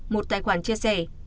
một tài khoản chia sẻ